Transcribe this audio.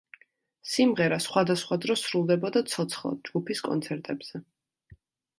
სიმღერა სხვადასხვა დროს სრულდებოდა ცოცხლად ჯგუფის კონცერტებზე.